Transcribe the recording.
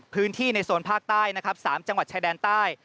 ในโซนภาคใต้นะครับ๓จังหวัดชายแดนใต้